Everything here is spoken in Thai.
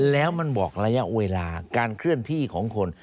แล้วมันบอกระยะเวลาการเคลื่อนที่ของคน